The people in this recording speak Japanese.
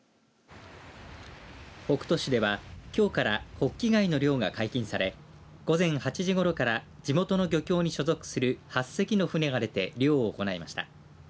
北斗市では、きょうからホッキ貝の漁が解禁され午前８時ごろから地元の漁協に所属する８隻の船が出て漁を行いました。